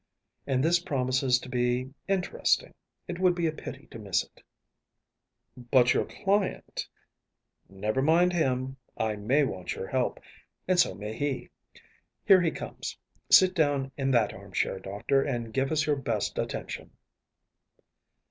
And this promises to be interesting. It would be a pity to miss it.‚ÄĚ “But your client‚ÄĒ‚ÄĚ “Never mind him. I may want your help, and so may he. Here he comes. Sit down in that armchair, Doctor, and give us your best attention.